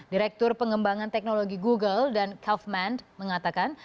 direktur pengembangan teknologi google dan kaufman mengatakan